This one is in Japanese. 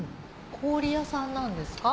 氷屋さんなんですか？